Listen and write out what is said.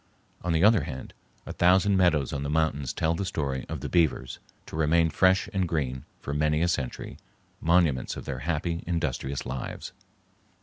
On the other hand, a thousand meadows on the mountains tell the story of the beavers, to remain fresh and green for many a century, monuments of their happy, industrious lives.